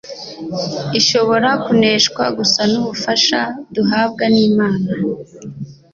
ishobora kuneshwa gusa n’ubufasha duhabwa n’Imana.